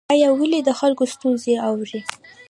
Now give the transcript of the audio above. آیا والي د خلکو ستونزې اوري؟